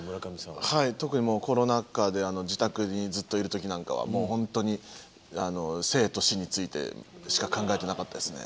はい特にコロナ禍で自宅にずっといる時なんかはもう本当に生と死についてしか考えてなかったですね。